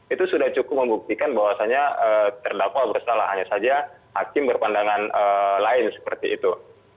itu sudah cukup membuktikan bahwasannya terdakwa bersalah hanya saja hakim berpandangan lain seperti itu